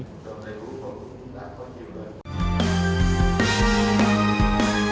tuy nhiên cũng không cóany ở cử tri